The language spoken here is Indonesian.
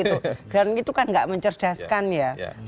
tapi lebih kepada konten apa message yang ada di dalamnya ya